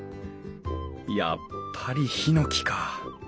やっぱりヒノキか。